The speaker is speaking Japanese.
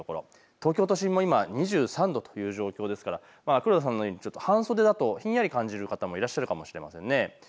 東京都心も今、２３度という状況ですから黒田さんのように半袖だとちょっとひんやり感じる方もいらっしゃるかもしれません。